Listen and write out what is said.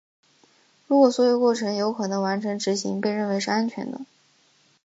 如果所有过程有可能完成执行被认为是安全的。